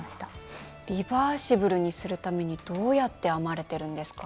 リバーシブルにするためにどうやって編まれてるんですか？